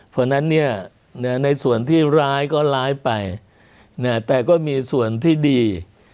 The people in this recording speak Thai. เพราะฉะนั้นเนี่ยในส่วนที่ร้ายก็ร้ายไปแต่ก็มีส่วนที่ดี